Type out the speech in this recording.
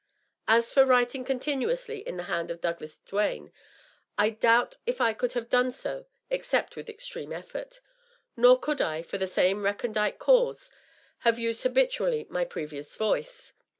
As for writing continuously in the hand of Douglas Duane, I doubt if I could have done so except with extreme effort ; nor could I, for the same recondite causes, have used habitually my previous voice.